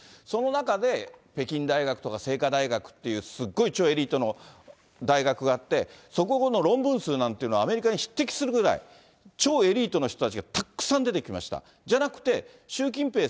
その中で、北京大学とか清華大学っていう、すごい超エリートの大学があって、そこの論文数なんていうのは、アメリカに匹敵するぐらい、超エリートの人たちがたくさん出てきました。